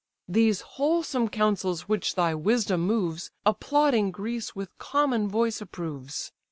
These wholesome counsels which thy wisdom moves, Applauding Greece with common voice approves.